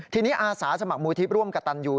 ทีนี้อาสาสมัครมูลที่ร่วมกับตันยู